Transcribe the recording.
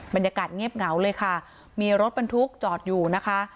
บรรยากาศเงียบเหงาเลยค่ะมีรถบรรทุกจอดอยู่นะคะ